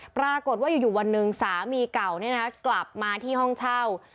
ปรากฏว่าอยู่วันหนึ่งสามีเก่ากลับมาที่ห้องเช่า